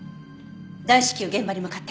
大至急現場に向かって。